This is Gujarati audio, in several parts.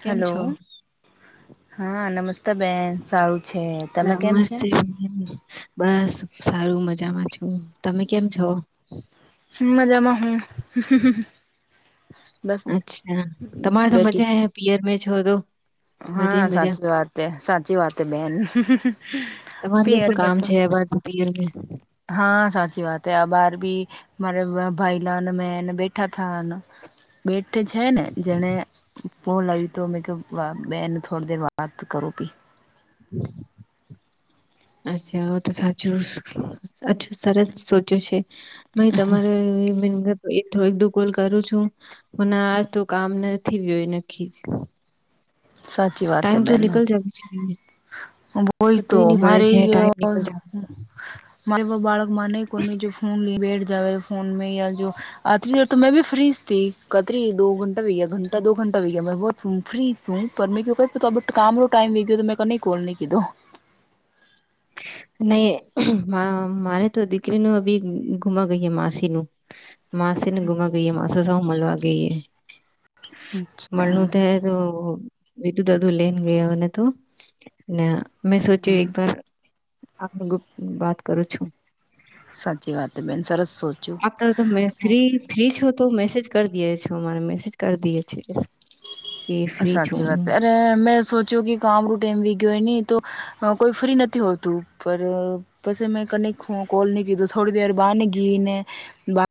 કેમ છો. હલો હા નમસ્તે બેન સારૂ. નમસ્તે [unintelligible] બસ સારું મજામાં છું તમે કેમ છો? મજામાં હું. બસ અચ્છા તમારે તો બેઠી મજા હે પિયર મે છો તો મજે હા હી મજા સાચી વાત હે સાચી વાત હે બેન તમારે પાર શું બે કામ તો છે અબાર તો પિયર મે હા સાચી વાત હ આ બાર ભી મા ભાઈલાન મેન બેઠા થ બે. કે છે ને જેને બ લાવ્યું તો મેકપ વા બનું થોડી દર બાદ કરો પી હમ અચ્છા તો સાચું સાચું સરસ સોચ્યું છે. ભાઈ તમારે એ થોડક દો કોલ કરું છું હ આ તો કામ નથી ગયો એ નખકી જ ટાઈમ તો નિકલ જાય છે. પર ભય તો તોય ની પડે મારે છે ટાઈમ નીકળ જ અ. બાળક મને કો જે ફોન લ બે ફોન મે યા જો આતરી દર તો મેં ભી ફ્રીજ થી કતરી દો ઘંટા વી ગ ઘટા દો ઘંટા વી ગયા મેં બુ ફ્રી ફું પર મે ક કામનો ટાઈમ વી ગયો તો મે કહી કોલની કીધું [unintelligible] નહી મારે તો દીકરીનું બી ગુમા ગઈએ માસી નું માસીને ગુમાવા ગઈએ માસા સૌ મળવા ગઈએ મળનું તે અચ્છા તો બીધું દાધું લઈને ગયાને તો ને મેં સોચ્યું એક વાર આપ ગુપ વાત કરું છું સાચી વાત બેન સરસ સોચ્યું. આપટર તમે ફ્રી ફ્રી છો? તો મેસેજ કરી દીએ છો અમારે મેસેજ કરી દીયે છે. કે ફ્રી સાચી છું વાત અરે મેં સોચ્યું કે કામ રૂ તેમ [unintelligible] તો અહ કોઈ ફ્રી નથી હોતું પર પસી મે કનેક્ટ ફો કોલની કીધું થોડી દેર બહાને ગીને બા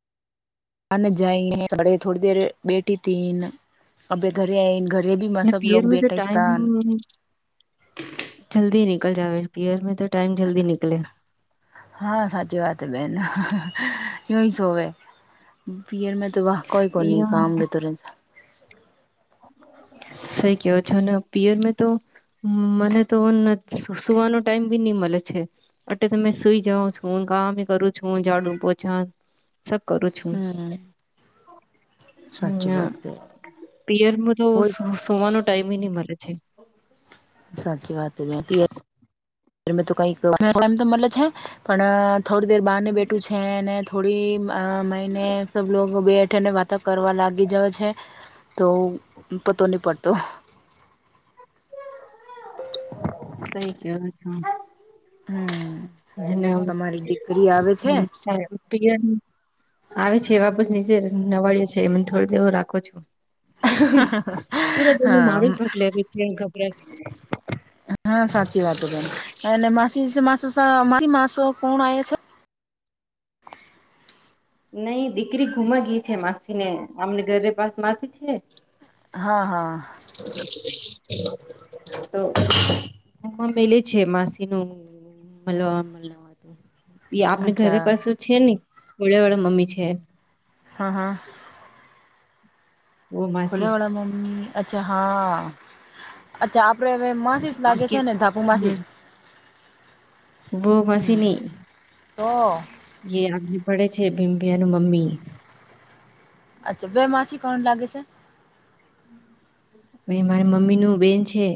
આને જાયેને બડે થોડી દેર બેઠી હતીન અભે ઘરે આઈન ઘર અને પીરમાં તો ટાઈમ જલ્દી નીકળ જાવે પિયર મે તો ટાઈમ જલ્દી નીકળે હા સાચી વાત હે બેન કેમ સોવે પિયર મે તો વહા કોઈ કો ની અયા કામ બે ત્રણ સહી કિયોછો ને પિયર મે તો હમ્મ મને તો નથ સુ સુવાનો ટાઈમ બી નહી મળે છે એટલે તમે સુઈ જઓ છું કામા બી કરું છું જાડું પોછા સબ કરું છું હમ હું સાચી ના વાત હે પીયરમ તો સુ સુવાનો ટાઈમ ઈ નહી મલે છે. સાચી વાત [unintelligible] મે તો કઈક [unintelligible] તો મલે છે પણ થોડી દેર બારને બેઠું છે ને થોડી મ અહ મહિને સબ લોગ બે હઠેરને વાતો કરવા લાગી જવે છે તો પતો નહી પડતો કઈ કેવા જ હમ તમારી દીકરી આવે છે [unintelligible] આવે છે વાપસ નીચે નવાડે છે મને થોડોક દવો રાખો છો. પૂરા દનું હા મારું પટ લવ્યું છે ગબરા હા સાચી વાત બેન અને માસીસ માસસા ઈ માણસો કોણ આવે છે. નઈ દીકરી ગુમા ગઈ છે માસી ને અમને ઘરે પાસ માસી છે. હા હા. તો એમાં મેલે છે માસી નું મળવા મવા એ આપણી ઘરે અચ્છા પાસેું છે ને ળ વાળા મમ્મી છે. હા હા વો ખુલે માસી વાળા મમ્મી અચ્છા હા અચ્છા આપ [unintelligible] માસીસ લાગે આપકે છે ને ધાપુ માસી બો હમ મસીની તો જે આ પડે છે ભીમભિયા ન મમ્મી અચ્છા બે માસી કોણ લાગે છે? વે મારા મમ્મી નું બેન છે.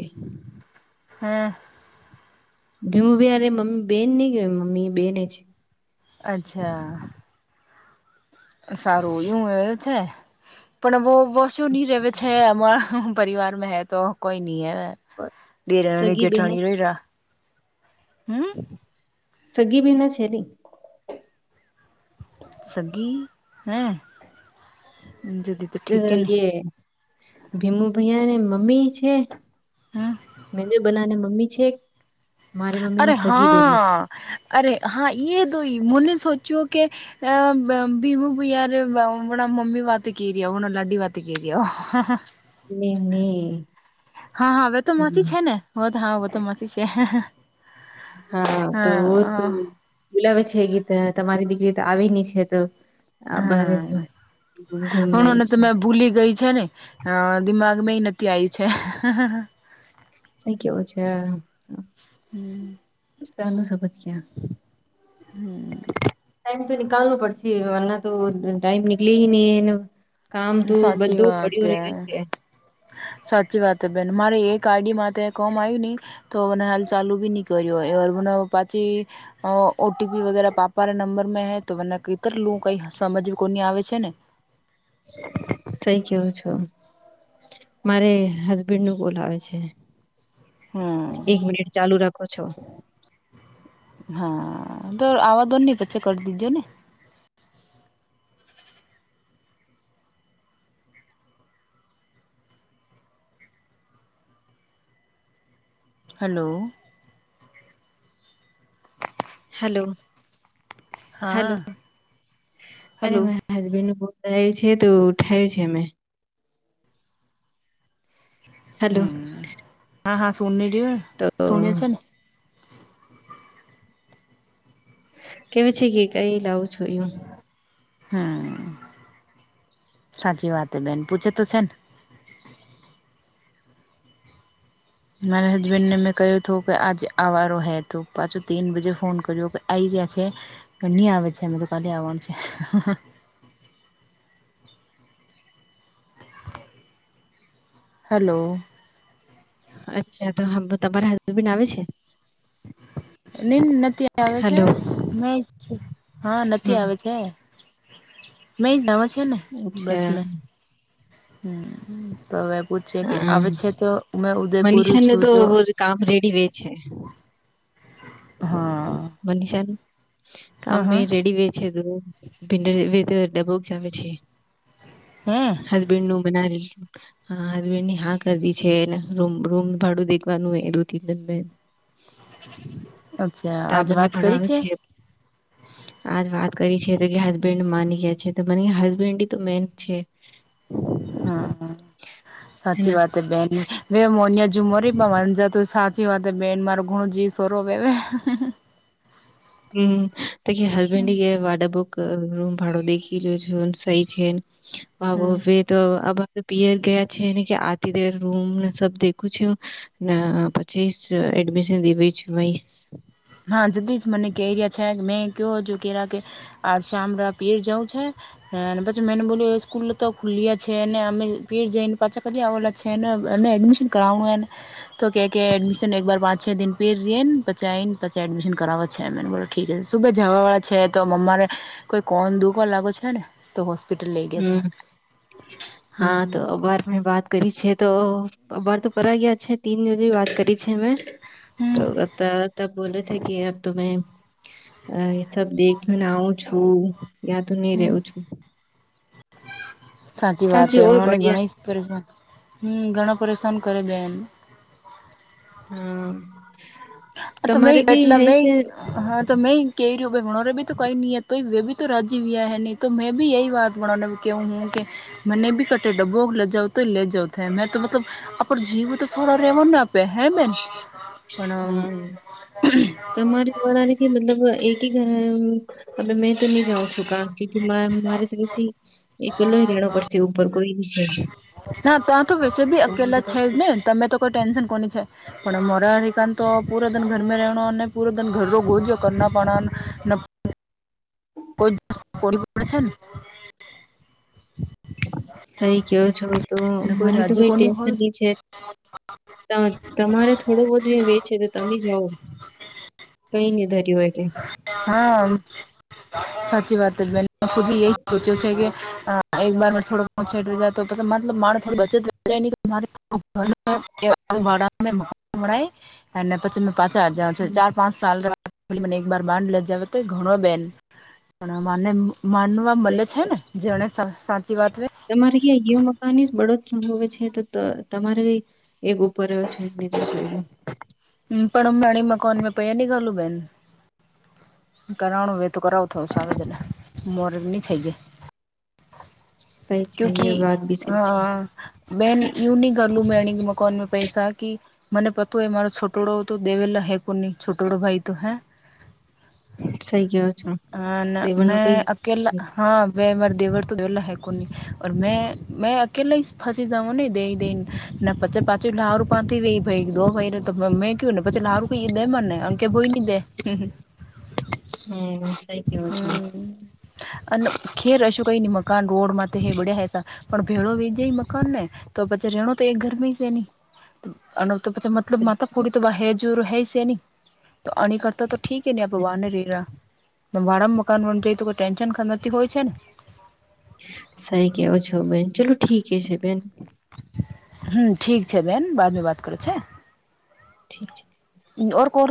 હમ્મ. ભીવું ભીયારે મમ્મી બેન નહી કે મમ્મી બેને છે. અચ્છા. સારું એવું હોવે છે પણ બોવ બોશોની રેવે છે અમાર પરિવાર મે હૈ તો કોઈ નઈ હૈ ડેરાની સગી જેઠાણી રયરા સગીબી ના છે ની સગી હે જદી તો ઠીકેને ભીમુ ભૈયા ને મમ્મી છે હમ મેંદ બના ને મમ્મી છે. મારી મમ્મી નું અરે સગી બહેનો છે હા અરે હા તોોઈ મને સોચ્યો કે આ ભીમું યાર મમી વાત ક રહ્યા હના લ અડી વાત કે એ ન હા હા હવે તો માચી છે ને હો તો હા તો માચી છે. હા તો. હા બોલાવે છે ગીત તમારી દીકરી તો આવી ન છે તો આ બરે હણને તમે ભૂલી ગઈ છે ને અ દિમાગ મે એ નથી આવી. છે. અ કેવો છે. હમ. પહેલું સજ ગ ટાઈમ તો નનીાલવું પડશે એના તો ટાઈમ નીકળે નહી એ સાચી વાત હ સાચી વાત બેન મારે એક કાડી મા કોમ આવ્યું નહી તો મને હાલ ચાલુ બી નહી કર્યું મ પાછી ઓટીપી વગેરે પાપવાના નંબર માં હે તો મને કતરલું કઈ સમજવી કોની આવે છે ને સહી કેવું છો. મારે હસબેન્ડ નું બોલવે છે. એક હમ મિનિટ ચાલુ રાખો છો. હા તો આવા દોન નહી પછી કરી દીજો ને હલો. હલો અરે હા. હેલો મારા હબન્ થાય છે તો ઉઠાયું છે અમે હેલો હમ હા હા સુન ર તો શણીએ છે ને કેવી છે કઈ લાવુ છું હું હમ સાચવાતે બેન પૂછે તોશેન મારા હજબેન્ડ ને મેં કહ્યું તું કે આજે આવારો હે તો પાછો તીન બજે ફોન કર્યો કે આય યા છે ની આવે છે કાલે આવવાનું છે [inaudible] હલો અચ્છા તો હંભા તમારા હસબડ આવે છે [inaudible] નથી આવે છે હલો મે કે હા નથી હમ આવે છે નાઈ આવે છે ને બસ અચ્છા મે હમ તો હવે પૂછે કે આવે હ છે તો મેં ઉદયપુરુ મનીષા ન છુ તો જો કામ રેડી વે [unintelligible] હા હા કમે હા રેડી બેછેદુ ભીંડ અ ડબોક જાવે છે હે હસબન્ડ નુ બનાવી હા હરવેની હા કરવી છેને રૂમનુ ભાડુ દેખવાનુ એ દો તીન દિન મે અચ્છા તા આજ બંને વાત કરી ભનાણું છે આજ વાત કરી છે તો કે હસબન્ડ માની ગયા છે તો મને હસબન્ડ તો મેન છે [inaudible] હમ સાચી હેના વાત બેન મેં મોનિય હજુ મરીબવન પામાજતુ સાચી વાત બેન માર ઘણું જીવ સરોપેવે હમ અકી હસબેન્ડ ગવાડ બુક રૂમ ભાડો દેખી લે જો સહી હ છે તો આ પિયર ગયા છેને કે આતિ રૂમ ને સબ દેખું છે ને પછી અ એડમિશન દેવી છુ વાઇસ હા જદી જ મને ક રહ્યા છે મેં કહયો કે કે આ શામળા પીર જવુ છે હ પાછ મેન બોલ્યુ સ્કુલે તો ખુલયા છે નેમે પીર જઈન પાછા કચી આવેલ છે ને અને એડમિશન કરાવણુંને તો કે કે એડમિશન એક બાર પાંચ છ દિન પર રેન પછી આઈન પછી એડમિશન કરાવો છેને બોલો ઠીક છે સુભે જવા વાળા છે તો મમ્મા ને કોઈ કોન દુખવા લાગો છે ને તો હોસ્પિટલ લઈ ગયા છે હમ હા હમ તો અભર મેં વાત કરી છે તો અવાર તો પવા ગયા છે તીન દજ વાત કરી છે મેં તો હમ ત ત બોલે છે કે અબ તો મે સબ દેખનાઉ છું યા તો નહી હમ રેવુ છું સાચી વાત એ ઓર પણ મને ઘણ બઢિયા પરેશાન હમ ઘણા પરેશાન કરી બેન હમ તો મે એટલા મે અ હા તો મે કે રહ્યું ભાઈ ભણો ર ભી તો કઈ નિયત મે તો રાજીવીયા હૈ ન તો મેબી યહી વાત બ કેહુ હું કે મેને ભી કઠે ડબ્બો લજઓ તો લે જાતા મેં તો મતલબ આપ જીવ તો સોડા રહેવા ને હે બેન પણ હા તમારે વાળા ને કે મતલબ એકી ઘર હવે મેં તો નહી જાઉં છું ગામ કયુકી મારે તો પછી એકલોહી રેહનો પડશે ઉપર કોઈ છે ના ત આ તો વેસે ભી તો મને અકેલા તો છે જ ને તમે તો કોઈ ટેન્શન કોની છે પણ મરા હિકાન તો પુરાધન ઘર રહે અને પુરાતન ઘર ગોજન કરનો પણો [inaudible] [inaudible] [inaudible] સહી કેયોો છો તો ને કોઈ મને તો રાજી કઈ કોની ટેન્શન હોય નહી છે. તમારે થોડું બધું વે છેે તો તમે જાઓ. કઈ નની ધર્યું હોય કે હા. સાચી વાત મે ખુબી એ સોચ્યો છે કે એક બાર થડોછે તો પછ મતલબ માણ થો બચત મા પ પાચ હ ચાર પાંચ સાલ મને એકર બાડ લજા તો ઘણો બેન પણ મને માનવા મલ છે ને જેણે સા સાચી વાત વે તમારે ક્યાં મકની બડોરી અનભવે છે તો તમારે એક ઉપર જોઈ. પ માણી મકાન પ એની ગું બેન કરનુંું એ તો કરાવું થ સા આવે જ ને મોર નની થઈ જાય. સહી છે એ કુકી વાત બી હ સહી છે બન યું ન કરલું મેણી મકન મે પૈસા સાાકી મને પતુંય મારો છોટોડો દેવેલા હેકુર નની છોટોડો ભાઈ તો હે [inaudible] સહી કેવો છો હ ના દેવણ નું મેં કઈ અકેલા હા બે મરજી દવર વેલા હે કો મે મે અકેલા ફસી જવા ન દઈ દ ના પચાસ પાછી લારૂ પાથી ભાઈ દો ભાઈ ને તો મેં કયું ને પછી લારૂ ક દે મને અંકે ભોઈ હી દે હમ હ. હ સઈ કેવો છ. અને ખેર હશું કઈ મકાન રોડ માં હે બડ્યા હે ત પણ ભેડો વ જાય મકાન ને તો પછી રેણું તો એ ગરમી છે ન તો પછ મતલબ સહી માતા કુડી તો હે જર હૈ છે નને તો અણી કરતા તો ઠીક એ ને ભ વાનને રેરા વાર મકાન તો કોઈ ટેન્શન હોય છે ને સાઈ કે ઓ છ બે ચાલો ઠી છે બેન હ ઠી છે બેન બાદમાં વાત કરે છે. ઠીક છે. [unintelligible]